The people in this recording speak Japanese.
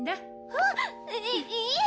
あっいいいえ！